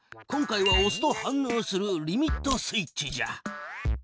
今回はおすと反のうするリミットスイッチじゃ。